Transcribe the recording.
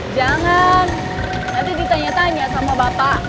jangan nanti ditanya tanya sama bapak